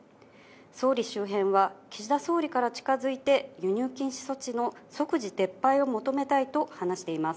総理周辺は岸田総理から近づいて輸入禁止措置の即時撤廃を求めたいと話しています。